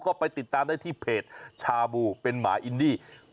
ก็ไปติดตามได้ที่เพจชาบูเป็นหมาอินดี้